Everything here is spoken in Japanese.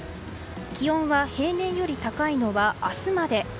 気温は平年より高いのは明日まで。